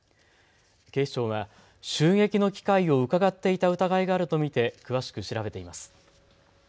警視庁は襲撃の機会をうかがっていた疑いがあると見て詳しく調べています。